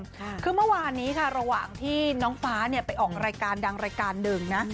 คือเมื่อวานนี้ค่ะระหว่างที่น้องฟ้าเนี่ยไปออกรายการดังรายการหนึ่งนะ